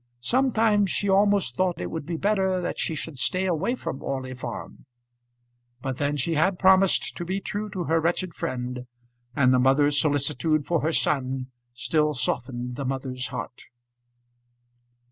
Sometimes she almost thought it would be better that she should stay away from Orley Farm; but then she had promised to be true to her wretched friend, and the mother's solicitude for her son still softened the mother's heart.